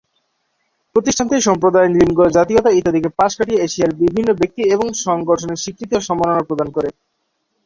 প্রতিষ্ঠানটি সম্প্রদায়, লিঙ্গ, জাতীয়তা ইত্যাদিকে পাশ কাটিয়ে এশিয়ার বিভিন্ন ব্যক্তি এবং সংগঠনের স্বীকৃতি ও সম্মাননা প্রদান করে।